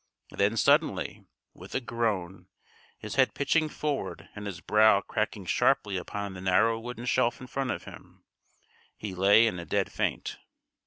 And then suddenly, with a groan, his head pitching forward, and his brow cracking sharply upon the narrow wooden shelf in front of him, he lay in a dead faint.